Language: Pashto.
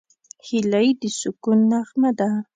هیلۍ د سکون نغمه ده